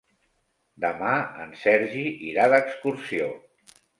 Demà en Sergi irà d'excursió.